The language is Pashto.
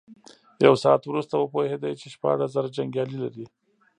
يو ساعت وروسته وپوهېد چې شپاړس زره جنيګالي لري.